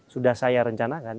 sudah saya rencanakan